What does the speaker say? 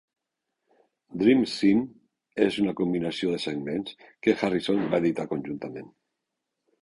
"Dream Scene" és una combinació de segments que Harrison va editar conjuntament.